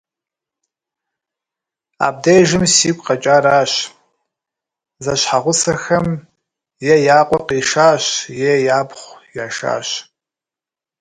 Абдежым сигу къэкӀаращ: зэщхьэгъусэхэм е я къуэ къишащ, е япхъу яшащ.